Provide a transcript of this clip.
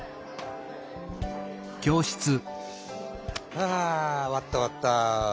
ハァ終わった終わった！